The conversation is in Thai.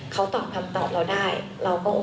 เขาตอบคำตอบเราได้เราก็โอ